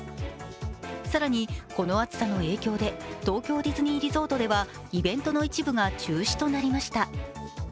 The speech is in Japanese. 更に、この暑さの影響で東京ディズニーリゾートではイベントの一部が中止となりました。